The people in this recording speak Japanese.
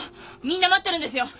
みんな待ってるんですよ。